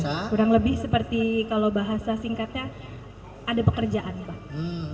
jadi kalau bahasa singkatnya ada pekerjaan